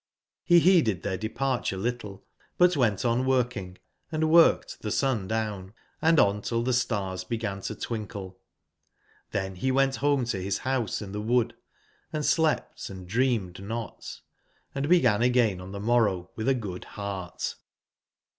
f5e beeded tbeir depar ture little, but went on working, and worked tbe sun down, and on till tbe stars began to twinkle, t^ben be went bome to bis bouse in tbe wood, & slept and dreamed not, and began again on tbe morrow witb a good beart.